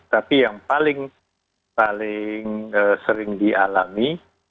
tapi yang paling sering dialami